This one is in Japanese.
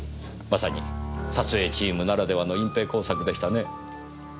まさに撮影チームならではの隠蔽工作でしたね。